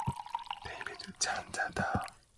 Dave Chandler, a Green, was also a candidate.